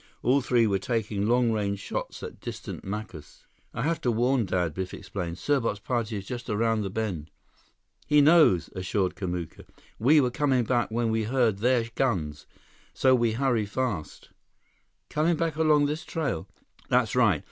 All three were taking long range shots at distant Macus. "I have to warn Dad," Biff explained. "Serbot's party is just around the bend." "He knows," assured Kamuka. "We were coming back when we heard their guns. So we hurry fast." "Coming back along this trail?" "That's right.